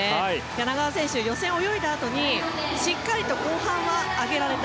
柳川選手、予選を泳いだあとにしっかりと後半は上げられた。